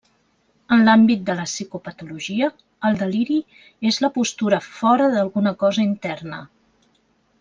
En l'àmbit de la psicopatologia, el deliri és la postura fora d'alguna cosa interna.